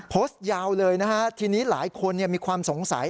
โพสต์ยาวเลยนะฮะทีนี้หลายคนมีความสงสัย